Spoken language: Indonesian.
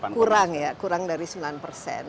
kurang ya kurang dari sembilan persen